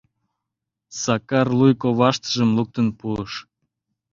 Сакар луй коваштыжым луктын пуыш.